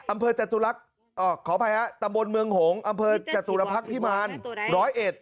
อำเภอจตุลักษณ์ขออภัยฮะตำบลเมืองหงษ์อำเภอจตุลพักษณ์พิมาร